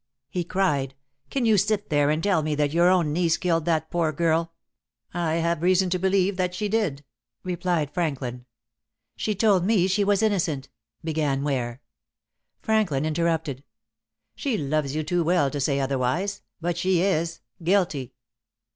he cried, "can you sit there and tell me that your own niece killed that poor girl?" "I have reason to believe that she did," replied Franklin. "She told me she was innocent," began Ware. Franklin interrupted. "She loves you too well to say otherwise. But she is guilty."